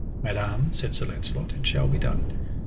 Madam, said Sir Launcelot, it shall be done.